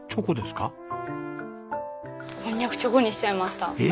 こんにゃくチョコにしちゃいました。